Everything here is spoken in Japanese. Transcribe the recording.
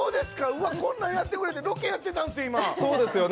うわ、こんなんやってくれて、今ロケやってたんですよ。